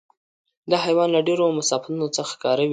دا حیوان له ډېرو مسافتونو څخه ښکار ویني.